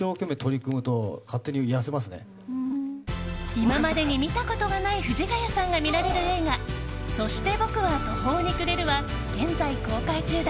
今までに見たことがない藤ヶ谷さんが見られる映画「そして僕は途方に暮れる」は現在、公開中だ。